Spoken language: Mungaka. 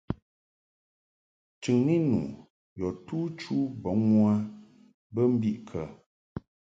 Chɨŋni nu yɔ tu chu bɔŋ u a bə mbiʼ kə ?